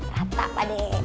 rata pak de